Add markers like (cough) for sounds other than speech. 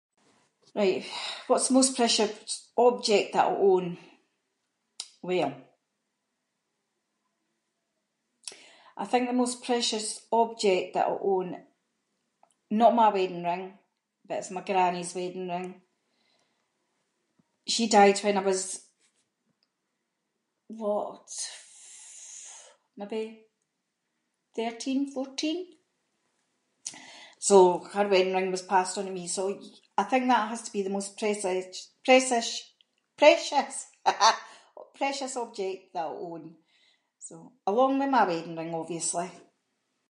Right, what’s the most precious object that I own. Well, I think the most precious object that I own, not my wedding ring, but it’s my granny’s wedding ring. She died when I was what, f- maybe, thirteen, fourteen. So, her wedding ring was passed onto me, so, I think that has to be the most [inc] precious (laughs) precious object that I own. So- along with my wedding ring obviously.